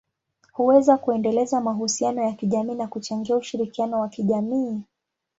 huweza kuendeleza mahusiano ya kijamii na kuchangia ushirikiano wa kijamii.